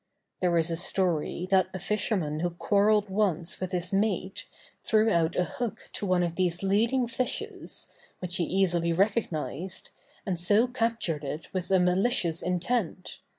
There is a story that a fisherman who quarrelled once with his mate, threw out a hook to one of these leading fishes, which he easily recognized, and so captured it with a malicious intent.